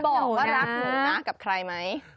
บอกว่ารักหนูนะกับใครไหม